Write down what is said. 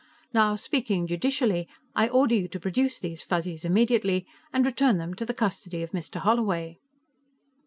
Now, speaking judicially, I order you to produce those Fuzzies immediately and return them to the custody of Mr. Holloway."